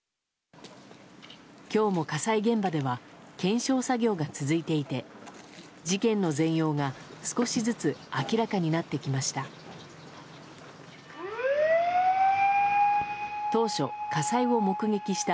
今日も火災現場では検証作業が続いていて事件の全容が少しずつ明らかになってきました。